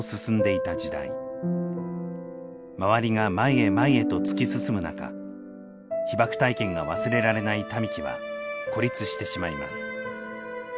周りが「前へ前へ」と突き進む中被爆体験が忘れられない民喜は孤立してしまいます。